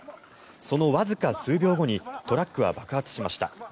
そのわずか数秒後にトラックは爆発しました。